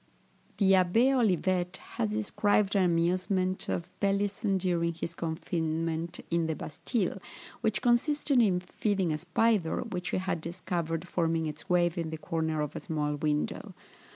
The Abbé Olivet has described an amusement of Pelisson during his confinement in the Bastile, which consisted in feeding a spider, which he had discovered forming its web in the corner of a small window.